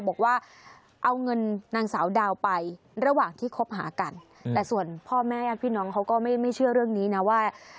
บอกว่าเอาเงินนางสาวดาวไประหว่างที่คบหากันแต่ส่วนพ่อแม่ญาติพี่น้องเขาก็ไม่เชื่อเรื่องนี้นะว่า